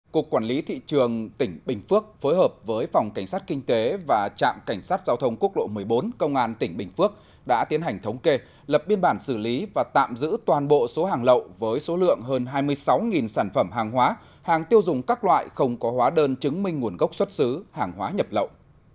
cục quản lý thị trường tỉnh bình phước phối hợp với phòng cảnh sát kinh tế và trạm cảnh sát giao thông quốc lộ một mươi bốn công an tỉnh bình phước đã tiến hành thống kê lập biên bản xử lý và tạm giữ toàn bộ số hàng lậu với số lượng hơn hai mươi sáu sản phẩm hàng hóa hàng tiêu dùng các loại không có hóa đơn chứng minh nguồn gốc xuất xứ hàng hóa nhập lậu